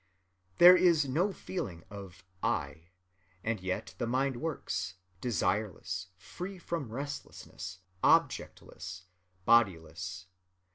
There is no feeling of I, and yet the mind works, desireless, free from restlessness, objectless, bodiless.